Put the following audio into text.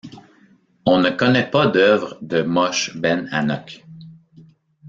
On ne connaît pas d'œuvre de Moshe ben Hanokh.